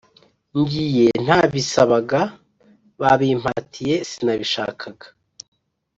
Ngiye ntabisabaga babimpatiye sinabishakaga